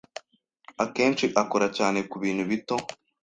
Akenshi akora cyane kubintu bito.